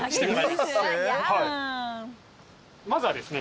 まずはですね